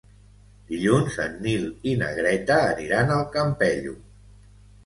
Dilluns en Nil i na Greta aniran al Campello.